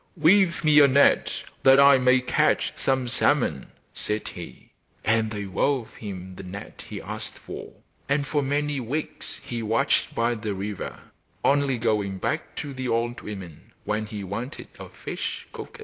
'Weave me a net that I may catch some salmon,' said he. And they wove him the net he asked for, and for many weeks he watched by the river, only going back to the old women when he wanted a fish cooked.